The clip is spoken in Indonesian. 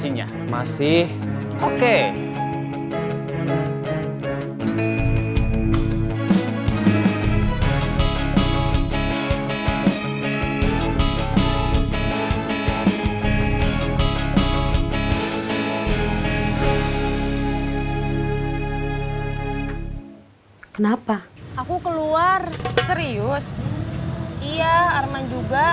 iya arman juga